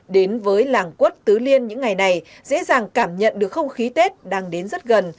đến với làng quất tứ liên những ngày này dễ dàng cảm nhận được không khí tết đang đến rất gần